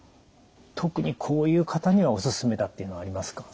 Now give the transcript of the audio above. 特にこういう方にはおすすめだっていうのはありますか？